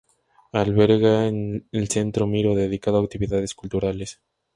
Alberga el "Centro Miró" dedicado a actividades culturales.